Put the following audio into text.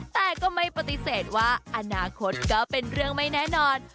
แต่ก็ไม่ปฏิเสธว่าอนาคตก็เป็นเรื่องไม่แน่นอน